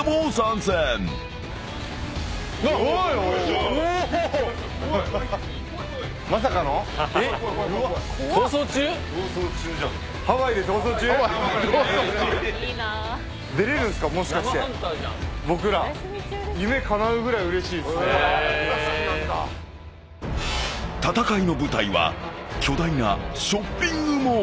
［戦いの舞台は巨大なショッピングモール］